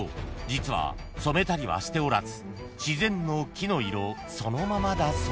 実は染めたりはしておらず自然の木の色そのままだそう］